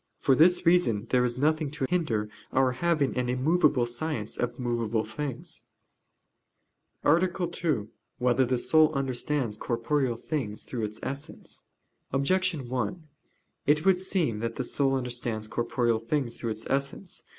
For this reason there is nothing to hinder our having an immovable science of movable things. _______________________ SECOND ARTICLE [I, Q. 84, Art. 2] Whether the Soul Understands Corporeal Things Through Its Essence? Objection 1: It would seem that the soul understands corporeal things through its essence.